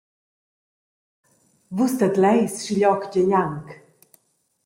Vus tedleis schiglioc gie gnanc!